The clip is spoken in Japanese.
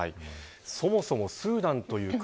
そもそもスーダンという国。